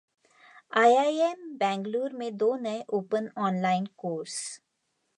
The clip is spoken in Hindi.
आईआईएम बेंगलूर में दो नए ओपन ऑनलाइन कोर्स